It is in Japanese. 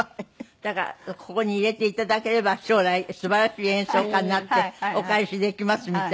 だから「ここに入れていただければ将来素晴らしい演奏家になってお返しできます」みたいな。